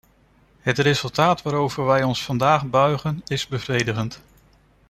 Het resultaat waarover wij ons vandaag buigen, is bevredigend.